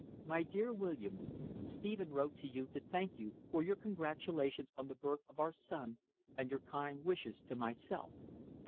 My dear William, Stephen wrote to you to thank you for your congratulations on the birth of our son and your kind wishes to myself.